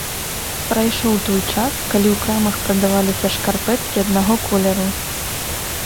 Прайшоў той час, калі у крамах прадаваліся шкарпэткі аднаго колеру.